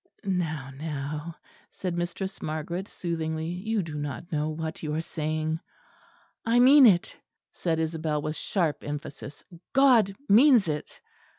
"Now, now," said Mistress Margaret soothingly, "you do not know what you are saying." "I mean it," said Isabel, with sharp emphasis; "God means it."